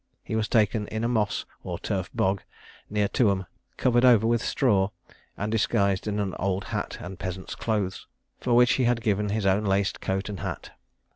He was taken in a moss, or turf bog, near Tuam, covered over with straw, and disguised in an old hat and peasant's clothes, for which he had given his own laced coat and hat.